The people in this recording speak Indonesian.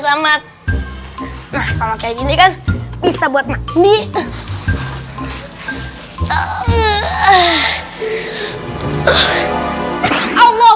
nah kalau kayak gini kan bisa buat makin